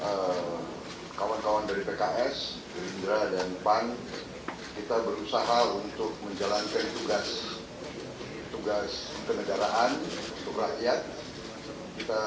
hai kawan kawan dari pks indra dan pan kita berusaha untuk menjalankan tugas tugas kekejaran berakhir kita